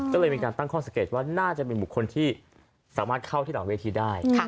ก็เลยมีการตั้งข้อสังเกตว่าน่าจะเป็นบุคคลที่สามารถเข้าที่หลังเวทีได้